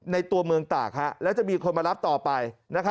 ตัวเมืองตากแล้วจะมีคนมารับต่อไป